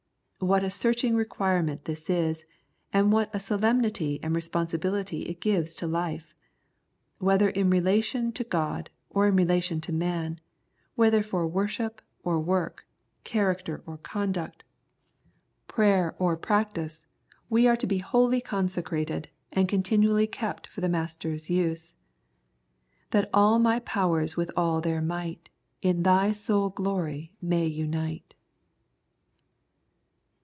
What a searching requirement this is, and what a solemnity and responsibility it gives to life ! Whether in relation to God, or in relation to man, whether for worship or work, character or conduct, prayer or prac 20 Consecration and Preservation tice, we are to be wholly consecrated, and continually kept for the Master's use — "That all my powers with all their might, In Thy sole glory may unite."